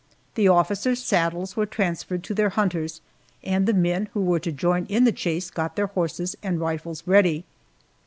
The officers' saddles were transferred to their hunters, and the men who were to join in the chase got their horses and rifles ready.